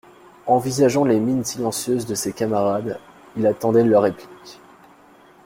Envisageant les mines silencieuses de ses camarades, il attendait leur réplique.